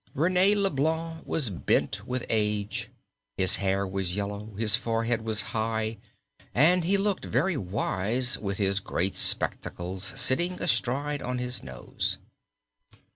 René Leblanc was bent with age. His hair was yellow, his forehead was high, and he looked very wise, with his great spectacles sitting astride on his nose.